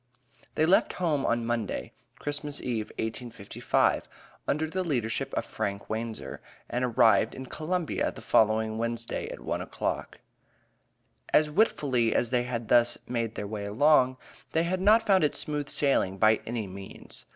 They left home on Monday, Christmas Eve, 1855, under the leadership of Frank Wanzer, and arrived in Columbia the following Wednesday at one o'clock. As willfully as they had thus made their way along, they had not found it smooth sailing by any means.